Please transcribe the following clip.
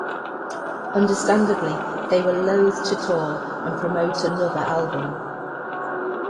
Understandably, they were loath to tour and promote another album.